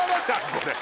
これ。